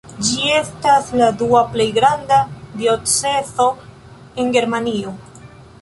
Ĝi estas la dua plej granda diocezo en Germanio.